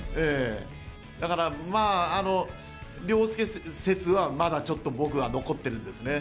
だから凌介節はまだちょっと僕は残ってるんですね。